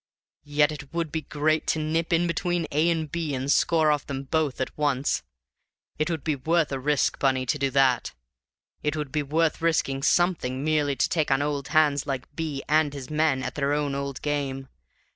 Yet it would be great to nip in between A and B and score off them both at once! It would be worth a risk, Bunny, to do that; it would be worth risking something merely to take on old hands like B and his men at their own old game!